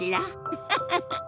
ウフフフ。